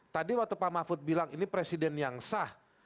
tadi waktu pak mahfud bilang ini presiden yang sah